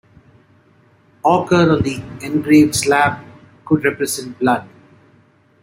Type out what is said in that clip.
Ochre on the engraved slab could represent blood.